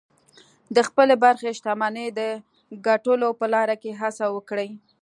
د خپلې برخې شتمنۍ د ګټلو په لاره کې هڅه وکړئ